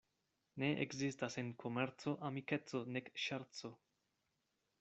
Ne ekzistas en komerco amikeco nek ŝerco.